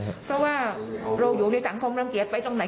เพราะว่าเราอยู่ในสังคมรังเกียจไปตรงไหน